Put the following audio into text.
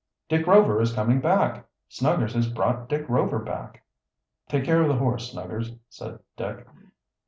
"Dick Rover is coming back! Snuggers has brought Dick Rover back!" "Take care of the horse, Snuggers," said Dick.